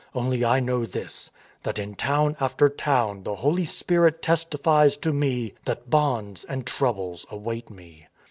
Only I know this, that in town after town the Holy Spirit testifies to me that bonds and troubles await me."